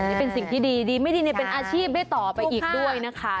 นี่เป็นสิ่งที่ดีดีไม่ดีในเป็นอาชีพได้ต่อไปอีกด้วยนะคะ